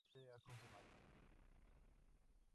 La fecha de lanzamiento aún no se ha confirmado.